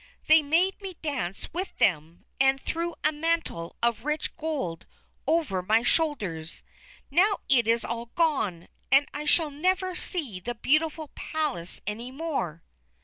They made me dance with them, and threw a mantle of rich gold over my shoulders. Now it is all gone, and I shall never see the beautiful palace any more!"